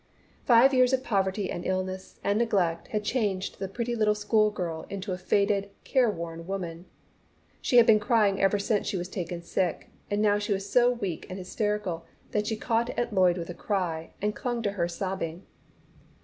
Five years of poverty and illness and neglect had changed the pretty little school girl into a faded, care worn woman. She had been crying ever since she was taken sick, and now was so weak and hysterical that she caught at Lloyd with a cry, and clung to her sobbing.